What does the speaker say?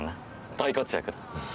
大活躍だ。